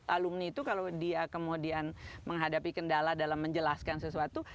alumni itu kalau dia kemudian menghadapi kendala dalam menjelaskan sesuatu